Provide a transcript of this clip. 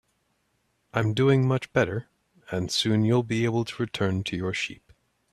I'm doing much better, and soon you'll be able to return to your sheep.